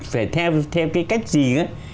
phải theo cái cách gì á